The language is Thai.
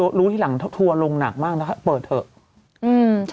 ถ้าเกิดรู้ที่หลังถัวลงหนักมากนะคะปิดที่หลังดูที่หลังลงหนักมากนะคะ